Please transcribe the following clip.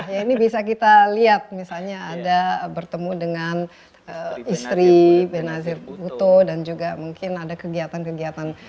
ya ini bisa kita lihat misalnya ada bertemu dengan istri benazir uto dan juga mungkin ada kegiatan kegiatan